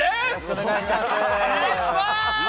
お願いします！